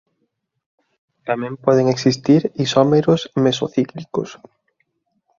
Tamén poden existir isómeros meso cíclicos.